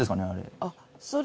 あれ！